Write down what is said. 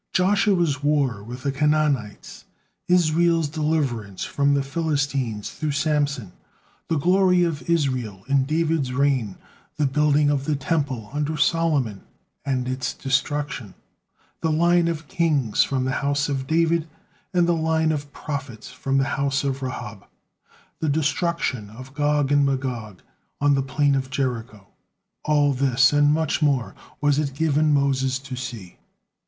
Joshua's war with the Canaanites, Israel's deliverance from the Philistines through Samson, the glory of Israel in David's reign, the building of the Temple under Solomon, and its destruction, the line of kings from the house of David, and the line of prophets from the house of Rahab, the destruction of Gog and Magog on the plain of Jericho, all this and much more, was it given Moses to see.